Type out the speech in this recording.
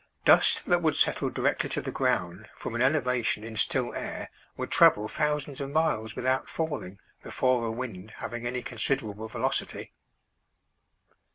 Dust that would settle directly to the ground from an elevation in still air would travel thousands of miles without falling, before a wind having any considerable velocity.